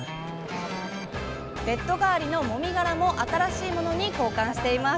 ベッド代わりのもみ殻も新しいものに交換しています